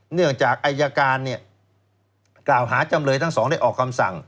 เนื่องจากอัยการเป็นมคาวหาจำเลยทั้ง๒ได้ออกคำสั่ง